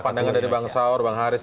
pandangan dari bang saur bang haris